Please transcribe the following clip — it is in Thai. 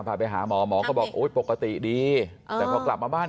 พาไปหาหมอหมอก็บอกโอ้ยปกติดีแต่พอกลับมาบ้าน